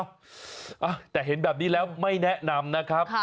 อ่ะแต่เห็นแบบนี้แล้วไม่แนะนำนะครับ